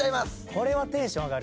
これはテンション上がる。